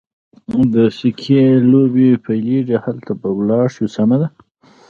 د سکې لوبې پیلېږي، هلته به ولاړ شو، سمه ده.